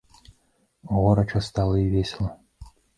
Горача стала і весела.